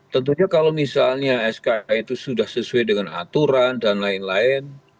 tentunya kalau misalnya sk itu sudah sesuai dengan aturan dan lain lain